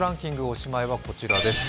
おしまいはこちらです。